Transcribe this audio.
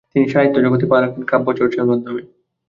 তিনি সাহিত্যজগতে পা রাখেন কাব্যচর্চার মাধ্যমে।